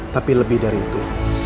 tapi lebih dari itu